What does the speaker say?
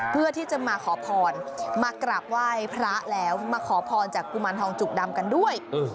เพื่อที่จะมาขอพรมากราบไหว้พระแล้วมาขอพรจากกุมารทองจุกดำกันด้วย